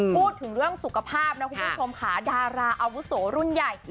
พูดถึงเรื่องสุขภาพนะคุณผู้ชมค่ะดาราอาวุโสรุ่นใหญ่